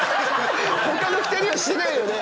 他の２人はしてないよね？